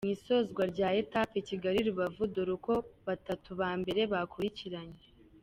Mu isozwa rya etape Kigali Rubavu, dore uko batatu ba mbere bakurikiranye;.